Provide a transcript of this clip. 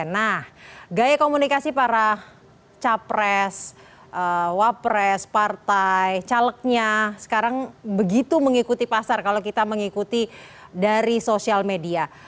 nah gaya komunikasi para capres wapres partai calegnya sekarang begitu mengikuti pasar kalau kita mengikuti dari sosial media